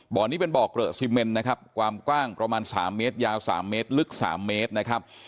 บ่อนี้เป็นบ่อเกลอะซีเมนนะครับความกว้างประมาณ๓เมตรยาว๓เมตรลึก๓เมตรนะครับ